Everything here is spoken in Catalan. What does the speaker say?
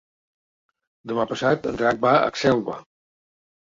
Demà passat en Drac va a Xelva.